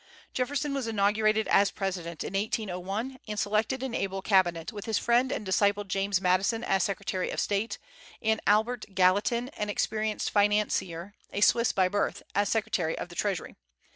Jefferson was inaugurated as president in 1801, and selected an able Cabinet, with his friend and disciple James Madison as Secretary of State, and Albert Gallatin, an experienced financier, a Swiss by birth, as Secretary of the Treasury.